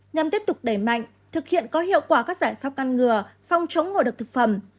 nhằm tiếp tục đẩy mạnh thực hiện có hiệu quả các giải pháp ngăn ngừa phòng chống ngộ độc thực phẩm